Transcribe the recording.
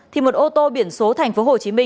thì một ô tô biển số tp hcm